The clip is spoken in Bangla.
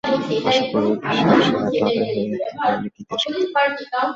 আশা করি, বিশ্বের সেরা ক্লাবের হয়ে আরও অনেক ইতিহাস লিখতে পারব।